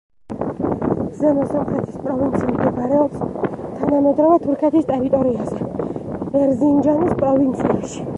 ზემო სომხეთის პროვინცია მდებარეობს თანამედროვე თურქეთის ტერიტორიაზე ერზინჯანის პროვინციაში.